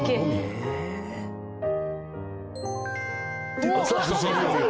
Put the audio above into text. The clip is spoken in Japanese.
出た！